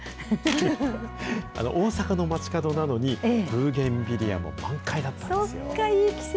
大阪の街角なのに、ブーゲンビリアも満開だったんですよ。